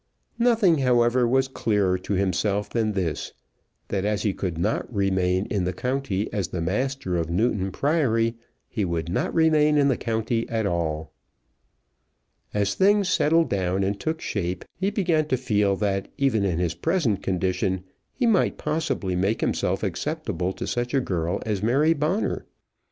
Nothing, however, was clearer to himself than this; that as he could not remain in the county as the master of Newton Priory, he would not remain in the county at all. As things settled down and took shape he began to feel that even in his present condition he might possibly make himself acceptable to such a girl as Mary Bonner.